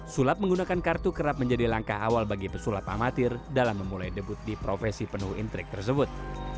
sulap menggunakan kartu kerap menjadi langkah awal bagi pesulap amatir dalam memulai debut di profesi penuh intrik tersebut